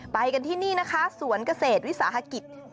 ไปกันที่นี่นะคะสวนเกษตรวิสาหกิจ